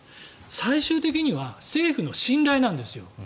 最終的には政府の信頼なんですよ。